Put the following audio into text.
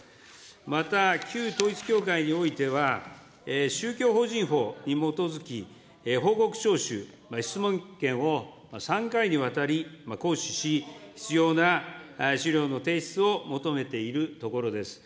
また旧統一教会においては、宗教法人法に基づき、報告徴収、質問権を３回にわたり行使し、必要な資料の提出を求めているところです。